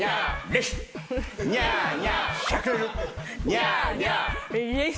ニャーニャー。